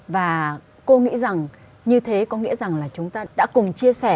và cô nghĩ rằng như thế có nghĩa rằng là chúng ta đã cùng chia sẻ